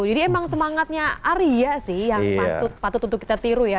jadi emang semangatnya aria sih yang patut untuk kita tiru ya